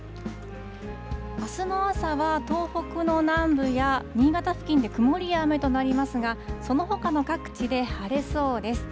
あすの朝は東北の南部や新潟付近で曇りや雨となりますが、そのほかの各地で、晴れそうです。